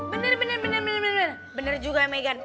bener bener bener bener bener bener juga ya megan